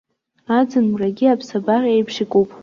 Аӡын-мрагьы аԥсабара еиԥш икуп!